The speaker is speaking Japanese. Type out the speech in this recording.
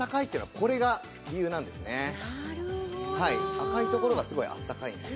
赤いところがすごくあったかいんです。